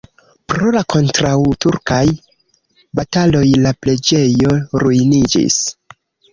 Pro la kontraŭturkaj bataloj la preĝejo ruiniĝis.